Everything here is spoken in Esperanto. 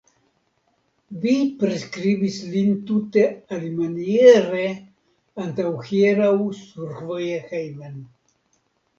Vi priskribis lin tute alimaniere antaŭhieraŭ survoje hejmen.